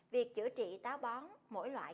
việc chữa trị táo bón mỗi loại